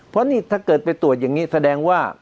เพราะนี่ถ้าเกิดไปตรวจอย่างนี้แสดงว่า